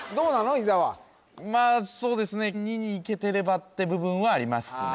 伊沢まあそうですね２にいけてればって部分はありますね